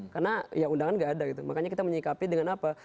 karena ya undangan gak ada gitu makanya kita menyikapi dengan apa